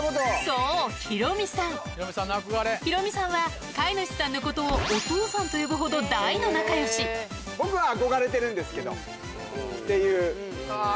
そうヒロミさんヒロミさんは飼い主さんのことを「お父さん」と呼ぶほど僕が憧れてるんですけどっていう人です。